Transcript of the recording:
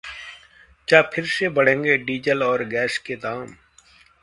क्या फिर से बढ़ेंगे डीजल और गैस के दाम?